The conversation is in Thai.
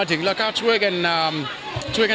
หรือว่าไม่ค่อย